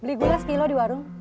beli gula sekilo di warung